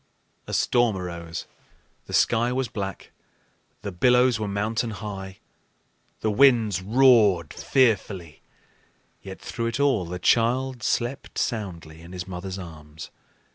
A storm arose, the sky was black, the billows were mountain high, the winds roared fearfully; yet through it all the child slept soundly in his mother's arms.